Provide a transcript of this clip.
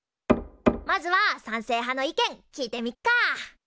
まずは賛成派の意見聞いてみっか。